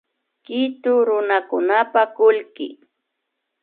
Kitu runakunapa kullki